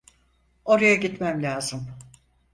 Oraya gitmem lazım.